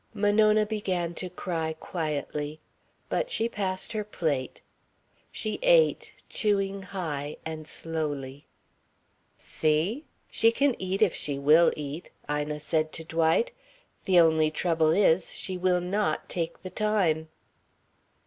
Monona began to cry quietly. But she passed her plate. She ate, chewing high, and slowly. "See? She can eat if she will eat," Ina said to Dwight. "The only trouble is, she will not take the time."